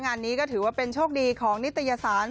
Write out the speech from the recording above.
งานนี้ก็ถือว่าเป็นโชคดีของนิตยสาร